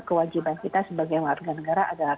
kewajiban kita sebagai warga negara adalah